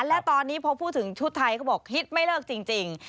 และตอนนี้พอพูดถึงชุดไทยเขาบอกฮิตไม่เลิกจริง